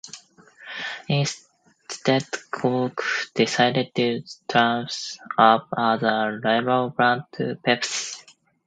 Instead, Coke decided to use Thums Up as a rival brand to Pepsi.